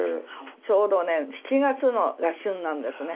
ちょうどね７月が旬なんですね。